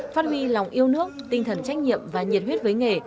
phát huy lòng yêu nước tinh thần trách nhiệm và nhiệt huyết với nghề